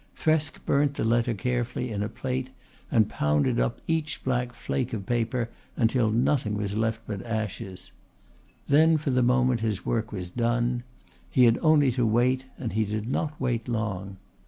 Thresk burnt the letter carefully in a plate and pounded up each black flake of paper until nothing was left but ashes. Then for the moment his work was done. He had only to wait and he did not wait long.